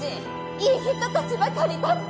いい人達ばかりだって！